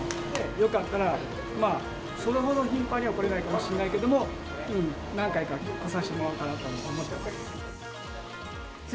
よかったらそれほど頻繁には来れないかもしれないけども、何回か来させてもらおうかなと思ってます。